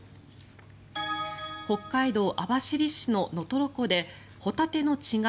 北海道網走市の能取湖でホタテの稚貝